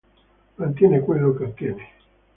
Mantiene quello che ottiene.